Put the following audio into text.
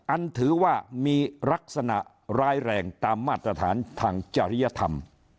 ถือว่ามีลักษณะร้ายแรงตามมาตรฐานทางจริยธรรม